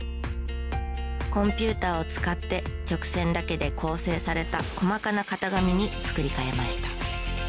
コンピューターを使って直線だけで構成された細かな型紙に作り替えました。